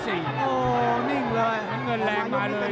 เมืองแรงมาเลย